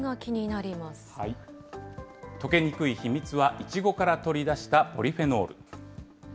溶けにくい秘密は、イチゴから取り出したポリフェノール。